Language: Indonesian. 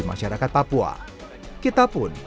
masyarakat papua kita pun